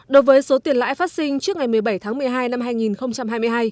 đối với số tiền lãi phát sinh trước ngày một mươi bảy tháng một mươi hai năm hai nghìn hai mươi hai